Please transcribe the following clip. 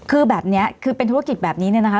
คือแบบนี้คือเป็นธุรกิจแบบนี้เนี่ยนะคะ